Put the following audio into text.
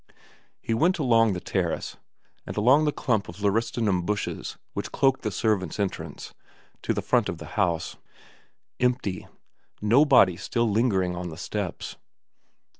He went along the terrace, and round the clump of laurustinuB bushes which cloaked the servants' entrance, to the front of the house. VERA 363 Empty. Nobody still lingering on the steps.